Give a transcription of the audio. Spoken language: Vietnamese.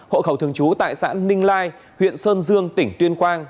hộ khẩu thường trú tại xã ninh lai huyện sơn dương tỉnh tuyên quang